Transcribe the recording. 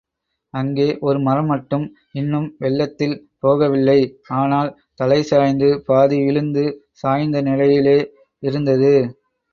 அங்கே ஒரு மரம் மட்டும் இன்னும் வெள்ளத்தில் போகவில்லை ஆனால், தலைசாய்ந்து பாதி விழுந்து சாய்ந்த நிலையிலே இருந்தது.